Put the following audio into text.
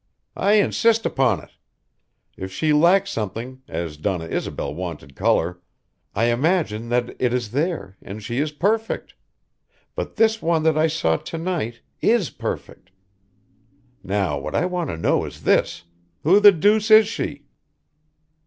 "I insist upon it. If she lacks something, as Donna Isobel wanted color, I imagine that it is there, and she is perfect! But this one that I saw to night is perfect! Now what I want to know is this, Who the deuce is she!"